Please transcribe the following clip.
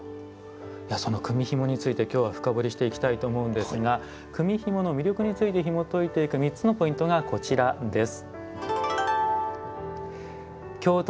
その組みひもについて今日は深掘りしていきたいと思うんですが組みひもの魅力についてひもといていく３つのポイントがこちらです。